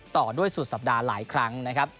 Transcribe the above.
ต่อด้วยสุดสัปดาห์หลายครั้งนะครับ